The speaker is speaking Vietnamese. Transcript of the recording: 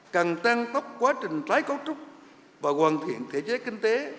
càng tăng tốc quá trình trái cấu trúc và hoàn thiện thể chế kinh tế